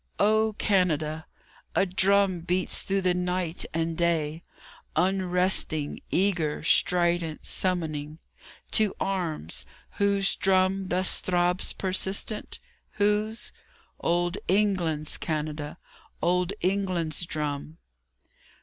O Canada! A drum beats through the night and day, Unresting, eager, strident, summoning To arms. Whose drum thus throbs persistent? Whose? Old England's, Canada, Old England's drum.